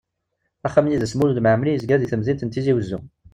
Axxam n yidles Mulud Mɛemmeri yezga deg temdint n Tizi Uzzu.